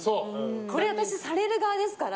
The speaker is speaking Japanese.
これ私、される側ですから。